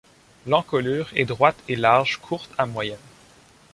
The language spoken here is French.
L'encolure est droite et large, courte à moyenne.